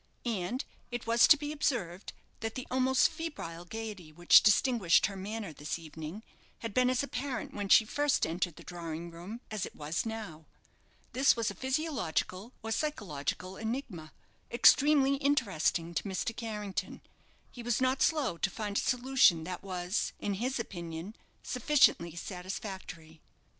And it was to be observed that the almost febrile gaiety which distinguished her manner this evening had been as apparent when she first entered the drawing room as it was now. This was a physiological or psychological enigma, extremely interesting to Mr. Carrington. He was not slow to find a solution that was, in his opinion, sufficiently satisfactory.